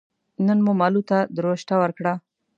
نن مو مالو ته دروشته ور کړه